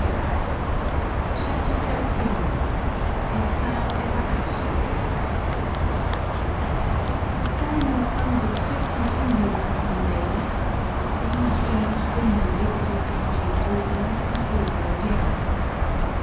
] CHAPTER XIII EXILE AT AKASHI The storm and thunder still continued for some days, and the same strange dream visited Genji over and over again.